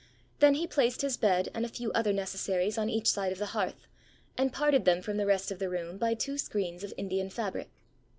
Then he placed his bed and a few other necessaries on each side of the hearth, and parted them from the rest of the room by two screens of Indian fabric.